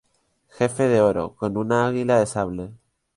Jefe de oro, con una águila de sable.≫